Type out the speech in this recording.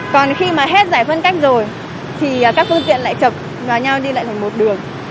còn khi mà hết giải phân cách rồi thì các phương tiện lại chập vào nhau đi lại thành một đường